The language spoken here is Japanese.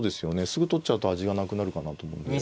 すぐ取っちゃうと味がなくなるかなと思うんで。